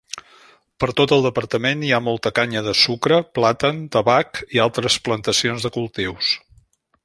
Per tot el departament hi ha molta canya de sucre, plàtan, tabac i altres plantacions de cultius.